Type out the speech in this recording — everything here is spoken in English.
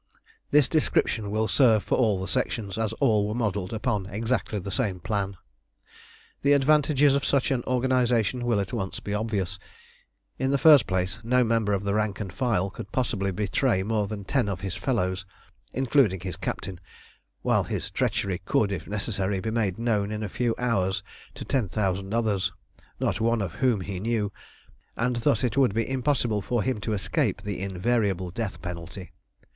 This description will serve for all the Sections, as all were modelled upon exactly the same plan. The advantages of such an organisation will at once be obvious. In the first place, no member of the rank and file could possibly betray more than ten of his fellows, including his captain; while his treachery could, if necessary, be made known in a few hours to ten thousand others, not one of whom he knew, and thus it would be impossible for him to escape the invariable death penalty.